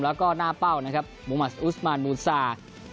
แล้วก็หน้าเป้านะครับมุมัสอุสมานมูซา